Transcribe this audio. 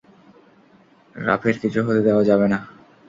রাভির কিছু হতে দেওয়া যাবে না।